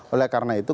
oleh karena itu